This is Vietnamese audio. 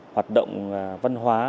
hoạt động văn hóa